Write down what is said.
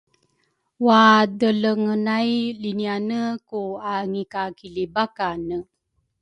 wadelengenay liniane ku angikakilibakane.